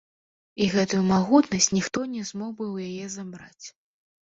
І гэтую магутнасць ніхто не змог бы ў яе забраць.